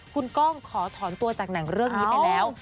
คุณก้องขอถอนตัวจากหนังเรื่องนี้ไปแล้ว